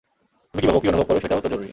তুমি কী ভাবো, কী অনুভব করো, সেটাও তো জরুরী।